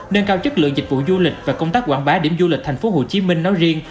nâng cao chất lượng dịch vụ du lịch và công tác quảng bá điểm du lịch tp hcm nói riêng